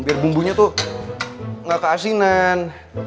biar bumbunya tuh gak keasinan